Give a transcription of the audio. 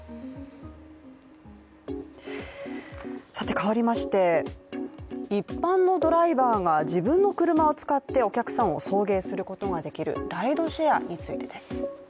変わりまして、一般のドライバーが自分の車を使ってお客さんを送迎することができるライドシェアについてです。